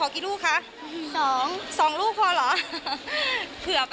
ค่ะคือ๑๐๐